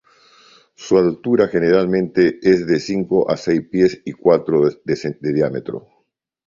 Su altura generalmente es de cinco a seis pies y cuatro de diámetro.